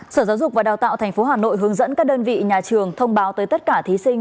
sở giáo dục và đào tạo tp hà nội hướng dẫn các đơn vị nhà trường thông báo tới tất cả thí sinh